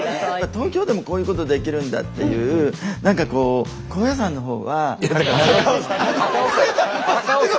東京でもこういうことできるんだっていう何かこういやだから高尾山。